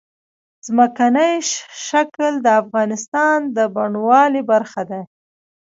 ځمکنی شکل د افغانستان د بڼوالۍ برخه ده.